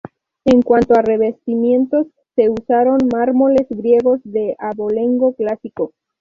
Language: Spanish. En cuanto a revestimientos, se usaron mármoles griegos, de abolengo clásico.